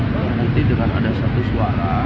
berhuti dengan ada satu suara